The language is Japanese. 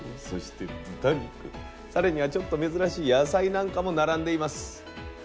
そして豚肉更にはちょっと珍しい野菜なんかも並んでいます。